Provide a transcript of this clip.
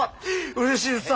うれしいですわ！